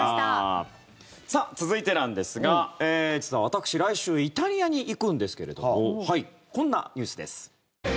続いてなんですが実は私、来週イタリアに行くんですけれどもこんなニュースです。